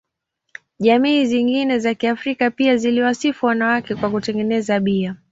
Jamii zingine za Kiafrika pia ziliwasifu wanawake kwa kutengeneza bia.